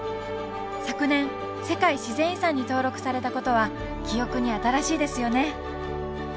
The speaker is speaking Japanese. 昨年世界自然遺産に登録されたことは記憶に新しいですよね